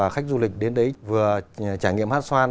khách du lịch đến đấy vừa trải nghiệm hét xoan